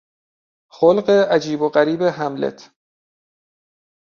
خلق عجیب و غریب هملت